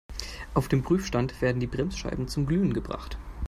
Auf dem Prüfstand werden die Bremsscheiben zum Glühen gebracht.